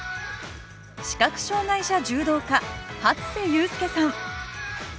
視覚障害者柔道家初瀬勇輔さん